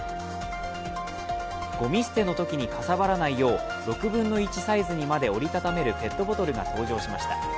ゴミ捨てのときにかさばらないよう、６分の１サイズにまで折り畳めるペットボトルが登場しました。